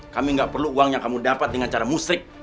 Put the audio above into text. kami gak perlu uang yang kamu dapat dengan cara musrik